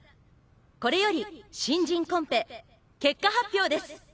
これより新人コンペ結果発表です。